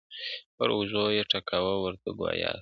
پر اوږو یې ټکاوه ورته ګویا سو-